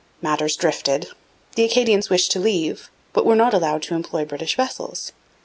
Matters drifted. The Acadians wished to leave, but were not allowed to employ British vessels.